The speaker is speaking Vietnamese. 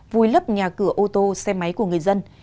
vùi lấp nhà cửa ô tô xe máy của người dân